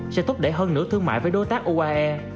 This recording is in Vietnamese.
sẽ thúc đẩy hơn nữa thương mại với đối tác uae